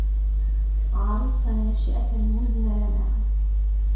عرضت ناشئة المزن لنا